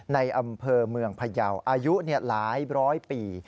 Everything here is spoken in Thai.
ในอำเภอเมืองพยาวอายุหลายร้อยปี